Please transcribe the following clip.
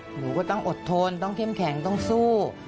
หนูก็ต้องอดทนต้องเข้มแข็งต้องสู้